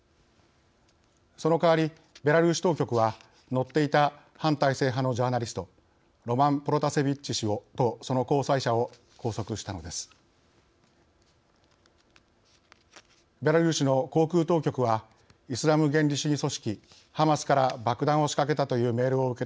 その代わりベラルーシ当局は乗っていた反体制派のジャーナリストロマン・プロタセビッチ氏とその交際者を拘束したのです。